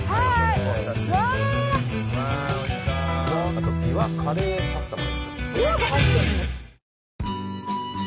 あとびわカレーパスタも。